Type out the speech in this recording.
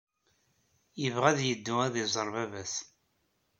Yebɣa ad yeddu ad iẓer baba-s.